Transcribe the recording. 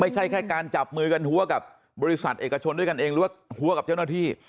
ไม่ใช่แค่การจับมือกันหัวกับบริษัทเอกชนด้วยกันเองหรือว่าหัวกับเจ้าหน้าที่